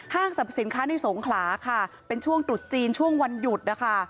สรรพสินค้าในสงขลาค่ะเป็นช่วงตรุษจีนช่วงวันหยุดนะคะ